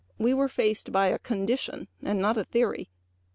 We were faced by a condition and not a theory.